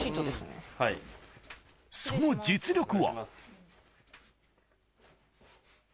その実力は？